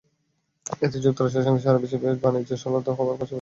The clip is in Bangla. এতে যুক্তরাষ্ট্রের সঙ্গে সারা বিশ্বের বাণিজ্য শ্লথ হওয়ার পাশাপাশি বাণিজ্য ব্যয় বাড়বে।